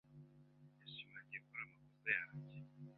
Yashimangiye ko ari amakosa yanjye.